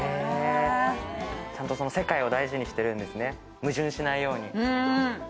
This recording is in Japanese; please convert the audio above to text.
ちゃんと世界を大事にしてるんですね、矛盾しないように。